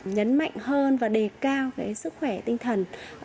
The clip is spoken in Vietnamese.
nhấn mạnh hơn và đề cao sức khỏe tinh thần